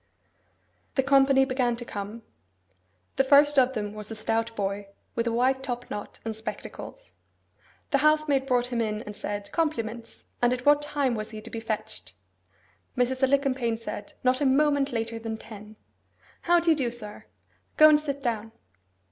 The company began to come. The first of them was a stout boy, with a white top knot and spectacles. The housemaid brought him in and said, 'Compliments, and at what time was he to be fetched!' Mrs. Alicumpaine said, 'Not a moment later than ten. How do you do, sir? Go and sit down.